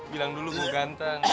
bilang dulu gue ganteng